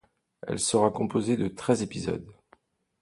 Elle sera composée de treize épisodes.